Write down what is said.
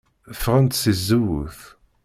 Ffɣent seg tzewwut.